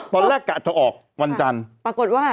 อ๋อตอนแรกกระเทาออกวันจันทร์ปรากฏว่า